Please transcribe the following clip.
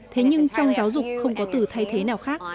thế nhưng trong giáo dục không có từ thay thế nào khác